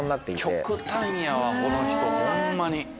極端やわこの人ホンマに。